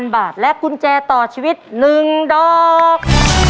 ๕๐๐๐บาทและกุญแจต่อชีวิตหนึ่งดอก